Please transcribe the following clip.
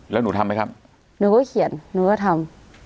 แล้วหนูทำไหมครับหนูก็เขียนหนูก็ทำ